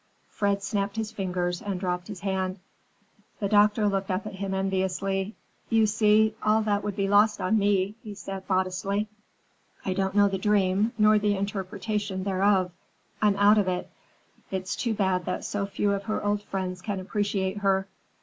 Fred snapped his fingers and dropped his hand. The doctor looked up at him enviously. "You see, all that would be lost on me," he said modestly. "I don't know the dream nor the interpretation thereof. I'm out of it. It's too bad that so few of her old friends can appreciate her."